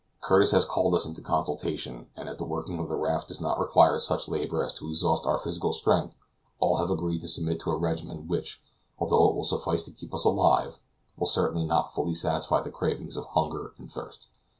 Curtis has called us into consultation, and as the working of the raft does not require such labor as to exhaust our physical strength, all have agreed to submit to a regimen which, although it will suffice to keep us alive, will certainly not fully satisfy the cravings of hunger and thirst.